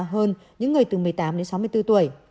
hơn những người từ một mươi tám đến sáu mươi bốn tuổi